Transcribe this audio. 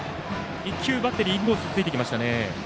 １球、バッテリーインコースを突いてきましたね。